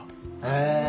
へえ。